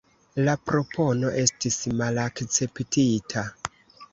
La propono estis malakceptita.